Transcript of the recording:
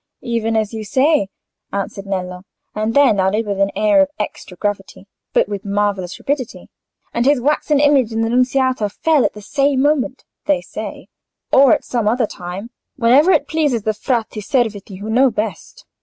"Even as you say," answered Nello; and then added, with an air of extra gravity, but with marvellous rapidity, "and his waxen image in the Nunziata fell at the same moment, they say; or at some other time, whenever it pleases the Frati Serviti, who know best.